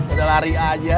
udah lari aja